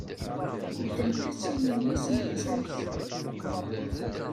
Beddent-as i memmi-s nettat.